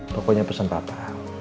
pokoknya pesan papa